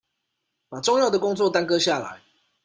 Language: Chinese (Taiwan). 把重要的工作耽擱下來